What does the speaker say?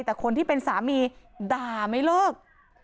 แต่คนที่เป็นสามีด่าไม่เลิก